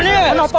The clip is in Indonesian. tidak ada apa apa